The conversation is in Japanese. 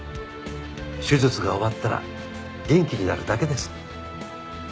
手術が終わったら元気になるだけです。